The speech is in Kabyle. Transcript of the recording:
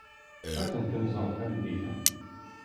Ad tent-nẓer tameddit-a.